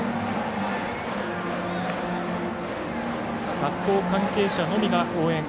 学校関係者のみが応援。